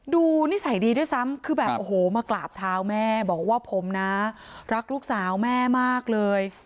นิสัยดีด้วยซ้ำคือแบบโอ้โหมากราบเท้าแม่บอกว่าผมนะรักลูกสาวแม่มากเลย